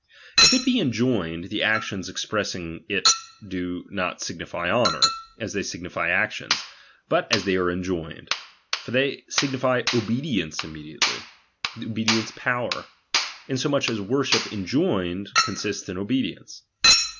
If it be enjoined, the no tions expressing it do not signify honour, as they signify actions, but as they are enjoined : for they signify obedience immediately, obedience power ; insomuch as worship enjoined consists in obe dience.